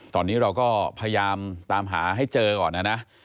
ตอนนี้เราก็พยายามตามหาให้เจอก่อนนะนะ